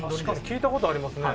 聞いた事ありますね。